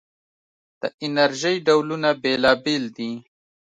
د انرژۍ ډولونه بېلابېل دي.